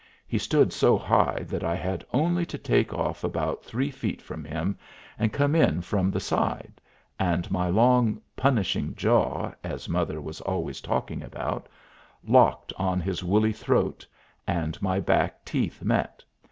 He stood so high that I had only to take off about three feet from him and come in from the side, and my long "punishing jaw," as mother was always talking about, locked on his woolly throat, and my back teeth met.